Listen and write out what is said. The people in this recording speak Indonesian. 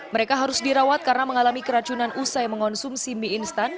mereka harus dirawat karena mengalami keracunan usai mengonsumsi mie instan